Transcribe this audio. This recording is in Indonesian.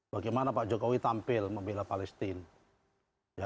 bagaimana pak jokowi tampil membela palestine